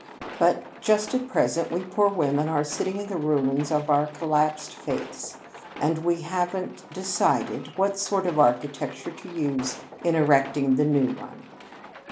But just at present we poor women are sitting in the ruins of our collapsed faiths, and we haven't decided what sort of architecture to use in erecting the new one."